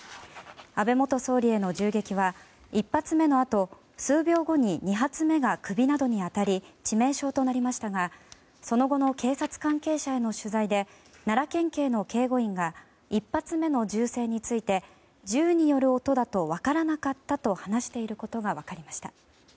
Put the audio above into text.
安倍元総理への銃撃は１発目のあと数秒後に２発目が首などに当たり致命傷となりましたがその後の警察関係者への取材で奈良県警の警護員が１発目の銃声について銃による音だと分からなかったと話していることが分かりました。